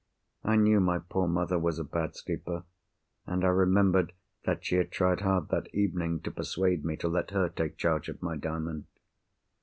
I knew my poor mother was a bad sleeper; and I remembered that she had tried hard, that evening, to persuade me to let her take charge of my Diamond.